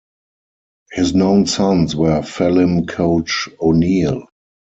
His known sons were Phelim Caoch O'Neill.